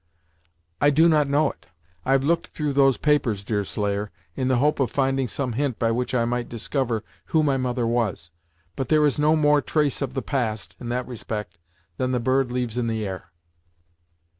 "I do not know it. I've look'd through those papers, Deerslayer, in the hope of finding some hint by which I might discover who my mother was, but there is no more trace of the past, in that respect, than the bird leaves in the air."